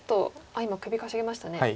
今首かしげましたね。